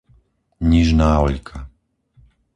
Nižná Oľka